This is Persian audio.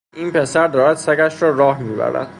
این پسر دارد سگش را راه می برد.